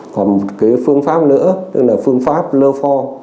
còn cái phương pháp nữa tức là phương pháp lơ pho